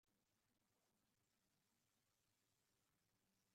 Amakar yekkes aɛudiw i wergaz.